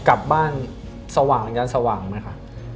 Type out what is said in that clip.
กลับบ้านสว่างอย่างนั้นสว่างไหมคะ